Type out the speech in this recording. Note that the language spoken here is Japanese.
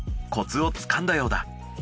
コツをつかんだようだ。